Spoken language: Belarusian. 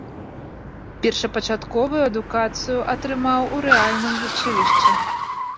Першапачатковую адукацыю атрымаў у рэальным вучылішчы.